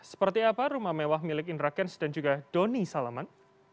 seperti apa rumah mewah milik indra kents dan juga doni salaman